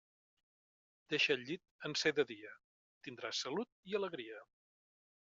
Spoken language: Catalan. Deixa el llit en ser de dia: tindràs salut i alegria.